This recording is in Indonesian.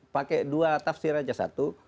pakai dua tafsir aja satu